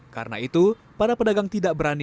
karena itu para pedagang tidak berani